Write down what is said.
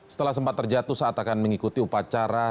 setelah sempat terjatuh saat akan mengikuti upacara